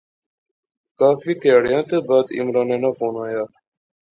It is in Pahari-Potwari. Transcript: کافی تہاڑیا تھی بعدعمرانے ناں فون آیا